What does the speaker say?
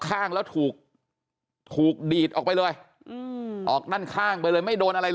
ข้างแล้วถูกถูกดีดออกไปเลยอืมออกด้านข้างไปเลยไม่โดนอะไร